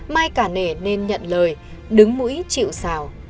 mai cả nể nên nhận lời đứng mũi chịu xào